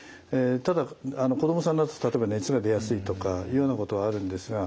ただ子どもさんだと例えば熱が出やすいとかいうようなことはあるんですが。